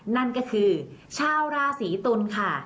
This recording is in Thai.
นั่นก็คือชาวราศีตุลค่ะ